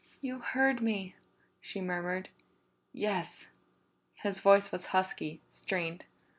"You heard me!" she murmured. "Yes." His voice was husky, strained.